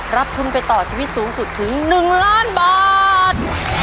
รับทุนไปต่อชีวิตสูงสุดถึง๑ล้านบาท